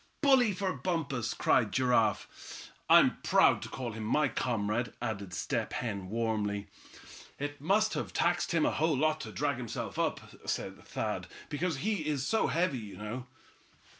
"Bully for Bumpus," cried Giraffe. "I'm proud to call him my comrade," added Step Hen, warmly. "It must have taxed him a whole lot to drag himself up," said Thad, "because he's so heavy, you know."